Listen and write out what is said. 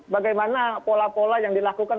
bagaimana pola pola yang dilakukan